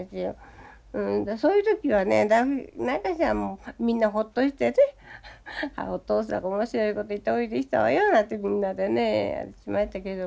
そういう時はね何かみんなほっとしてねああお父さんが面白いこと言って下りてきたわよなんてみんなでねしましたけれども。